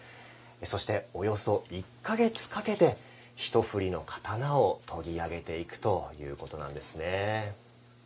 およそ１か月かけて一振りの刀を研ぎ上げていくということなんですね。